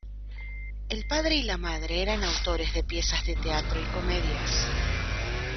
El padre y la madre eran autores de piezas de teatro y comedias.